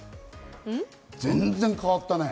全然変わったね。